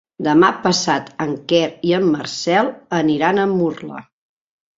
Demà passat en Quer i en Marcel aniran a Murla.